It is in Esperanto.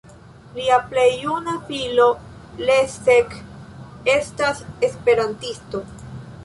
Lia plej juna filo Leszek estas esperantisto.